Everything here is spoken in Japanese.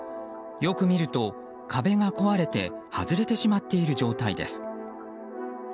よく見ると壁が壊れて外れてしまっている状態です。